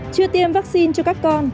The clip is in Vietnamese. chưa tiêm vaccine cho các con